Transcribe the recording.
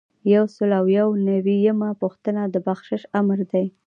یو سل او یو نوي یمه پوښتنه د بخشش آمر دی.